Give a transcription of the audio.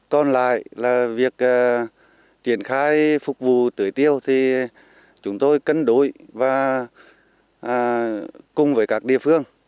còn lại là việc triển khai phục vụ tưới tiêu thì chúng tôi cân đối và cùng với các địa phương